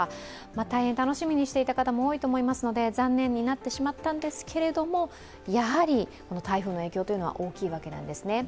大変楽しみにしていた方も多いかと思いますけれども残念になってしまったんですがやはり台風の影響は大きいわけなんですね。